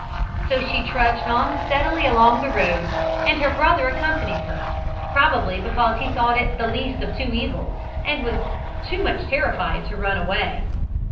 So she trudged on steadily along the road, and her brother accompanied her, probably because he thought it the least of two evils, and was too much terrified to run away.